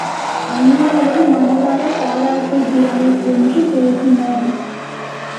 அண்ணாவை மனதாரப் பாராட்டுகிறேன, என்று பேசினேன்.